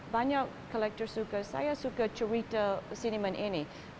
banyak kolektor suka saya suka cerita seniman ini